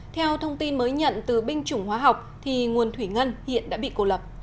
theo thông tin mới nhận từ binh chủng hóa học thì nguồn thủy ngân hiện đã bị cô lập